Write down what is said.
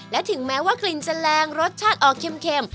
และถึงแม้ว่ากลิ่นจะแรงรสชาติออกเค็ม